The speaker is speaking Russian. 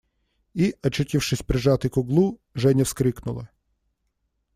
И, очутившись прижатой к углу, Женя вскрикнула.